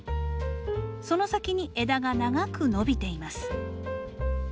その先に枝が長く伸びています。